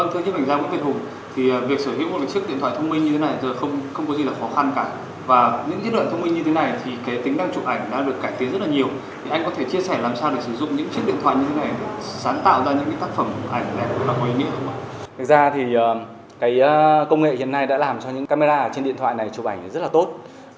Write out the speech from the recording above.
thực ra thì công nghệ hiện nay đã làm cho những camera trên điện thoại này chụp ảnh rất là tốt